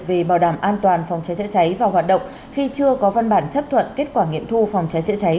về bảo đảm an toàn phòng trái trễ trái và hoạt động khi chưa có văn bản chấp thuận kết quả nghiệm thu phòng trái trễ trái